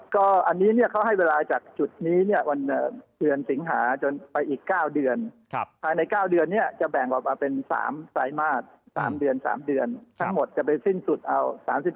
ก็อันนี้เขาให้เวลาจากจุดนี้วันเดือนสิงหา